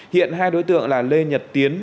hiện hai đối tượng là lê nhật tiến